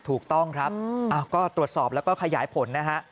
ถูกต้องครับก็ตรวจสอบแล้วก็ขยายผลนะฮะ